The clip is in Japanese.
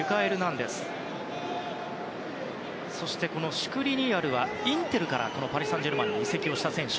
シュクリニアルはインテルからパリ・サンジェルマンに移籍した選手。